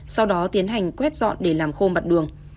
sau đó tiến hành quét dọn để làm khô mặt đường